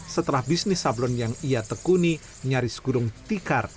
setelah bisnis sablon yang ia tekuni nyaris gudung tikar